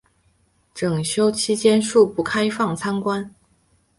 整修期间恕不开放参观